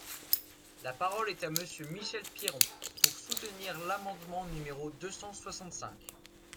La parole est à Monsieur Michel Piron, pour soutenir l’amendement numéro deux cent soixante-cinq.